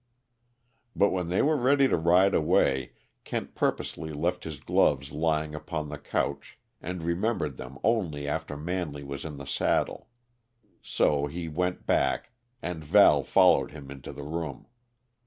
But when they were ready to ride away, Kent purposely left his gloves lying upon the couch, and remembered them only after Manley was in the saddle. So he went back, and Val followed him into the room.